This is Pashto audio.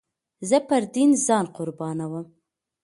زه پر دين ځان قربانوم.